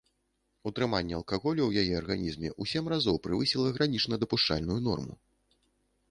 Утрыманне алкаголю ў яе арганізме ў сем разоў перавысіла гранічна дапушчальную норму.